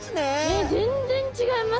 えっ全然違いますね。